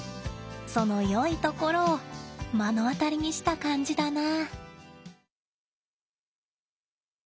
そのよいところを目の当たりにした感じだな。